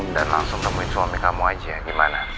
dan langsung temuin suami kamu aja gimana